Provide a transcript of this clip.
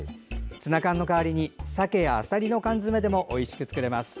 ツナ缶の代わりにサケやアサリの缶詰でもおいしく作れますよ。